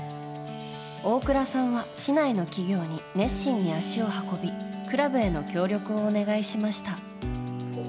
大倉さんは市内の企業に熱心に足を運びクラブへの協力をお願いしました。